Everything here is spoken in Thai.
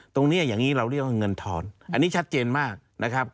อย่างนี้อย่างนี้เราเรียกว่าเงินทอนอันนี้ชัดเจนมากนะครับ